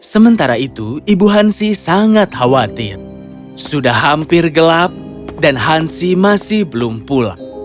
sementara itu ibu hansi sangat khawatir sudah hampir gelap dan hansi masih belum pulang